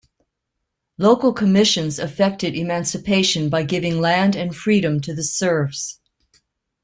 Local commissions effected emancipation by giving land and freedom to the serfs.